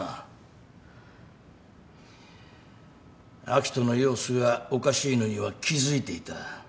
明人の様子がおかしいのには気付いていた。